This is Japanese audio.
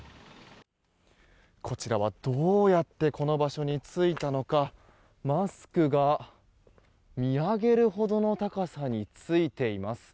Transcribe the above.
こちらはどうやってこの場所についたのかマスクが見上げるほどの高さについています。